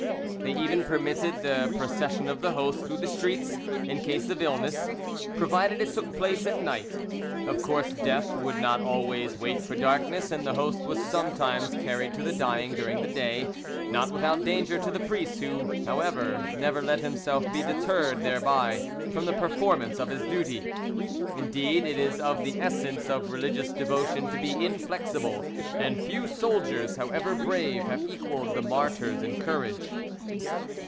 They even permitted the procession of the Host through the streets in case of illness, provided it took place at night. Of course death would not always wait for darkness, and the Host was sometimes carried to the dying during the day, not without danger to the priest, who, however, never let himself be deterred thereby from the performance of his duty; indeed, it is of the essence of religious devotion to be inflexible; and few soldiers, however brave, have equalled the martyrs in courage.